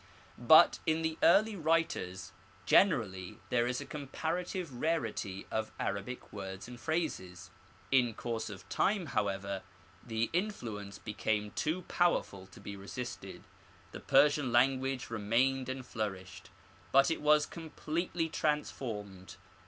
But in the early writers generally there is a comparative rarity of Arabic words and phrases. In course of time, however, the influence became too powerful to be resisted. The Persian lan guage remained and flourished, but it was completely trans formed.